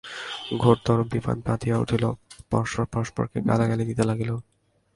ঘোরতর বিবাদ বাধিয়া উঠিল, পরস্পর পরস্পরকে গালাগালি দিতে লাগিল।